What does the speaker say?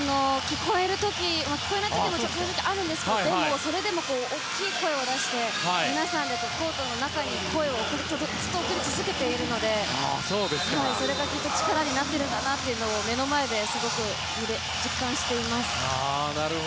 聞こえない時もあるんですけどそれでも大きい声を出して皆さんでコートの中に声をずっと送り続けているのでそれがきっと力になっているんだなと目の前ですごく実感しています。